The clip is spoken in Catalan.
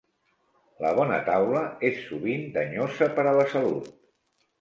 La bona taula és sovint danyosa per a la salut.